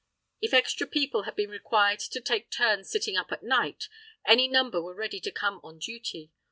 If extra people had been required to take turns sitting up at night, any number were ready to come on duty.